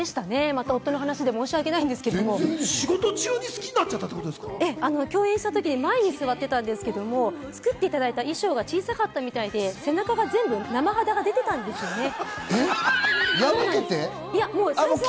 また夫の話で申しわけないんですけど、共演した時に前に座っていたんですけれども、作っていただいた衣装が小さかったみたいで、背中が全部、生肌が出ていたんですよね。